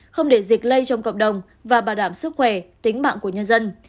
không để dịch lây trong cộng đồng và bảo đảm sức khỏe tính mạng của nhân dân